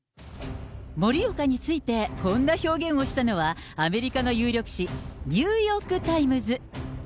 盛岡についてこんな表現をしたのは、アメリカの有力紙、ニューヨーク・タイムズ。